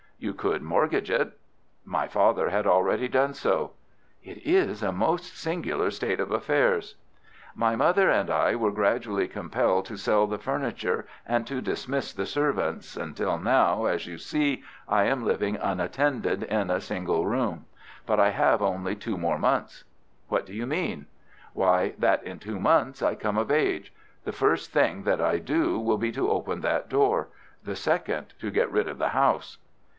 "You could mortgage it." "My father had already done so." "It is a most singular state of affairs." "My mother and I were gradually compelled to sell the furniture and to dismiss the servants, until now, as you see, I am living unattended in a single room. But I have only two more months." "What do you mean?" "Why, that in two months I come of age. The first thing that I do will be to open that door; the second, to get rid of the house."